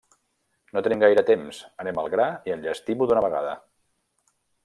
No tenim gaire temps. Anem al gra i enllestim-ho d'una vegada.